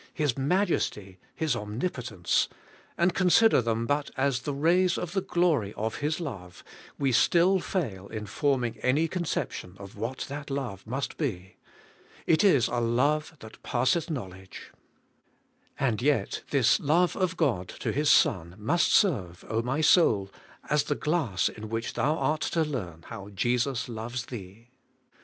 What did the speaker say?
His majesty, His omnipotence,— and consider them but as the rays of the glory of His love, we still fail in forming any conception of what that love must be. It is a love that passeth knowledge. And yet this love of God to His Son must serve, my soul, as the glass in which thou art to learn how Jesus loves thee.